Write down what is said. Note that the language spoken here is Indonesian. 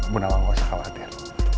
bunda wang gak usah khawatir